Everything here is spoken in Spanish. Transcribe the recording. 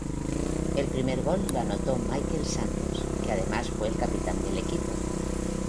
El primer gol, lo anotó Michael Santos, que además fue el capitán del equipo.